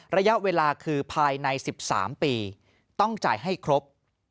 ระยะเวลาคือภายใน๑๓ปีต้องจ่ายให้ครบ